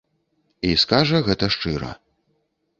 І скажа гэта шчыра.